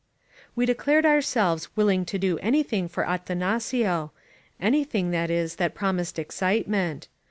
We declared ourselves willing to do anything for Atanacio — anything, that is, that promised excitement.